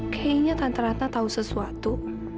kayaknya tante ranta tahu sesuatu